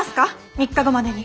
３日後までに。